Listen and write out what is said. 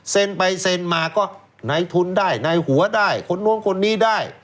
ไปเซ็นมาก็ในทุนได้ในหัวได้คนนู้นคนนี้ได้